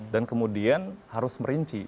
dan kemudian harus merinci